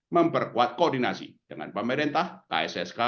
memperkuat koordinasi dengan pemerintah kssk